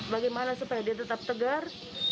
bagaimana supaya dia tetap tegar